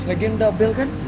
lagian udah bel kan